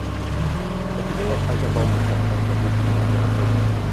Es ist auch alter Baumbestand auf der Hofanlage erhalten.